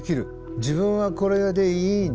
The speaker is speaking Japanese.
自分はこれでいいんだ。